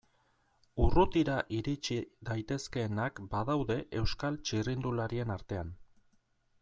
Urrutira iritsi daitezkeenak badaude Euskal txirrindularien artean.